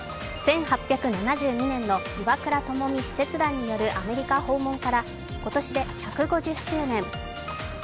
１８７２年の岩倉具視使節団によるアメリカ訪問から今年で１５０周年。